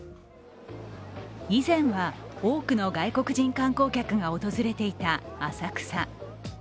以前は多くの外国人観光客が訪れていた浅草。